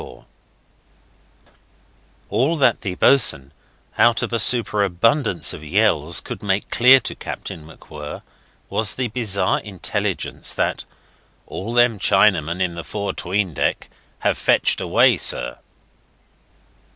IV All that the boatswain, out of a superabundance of yells, could make clear to Captain MacWhirr was the bizarre intelligence that "All them Chinamen in the fore 'tween deck have fetched away, sir."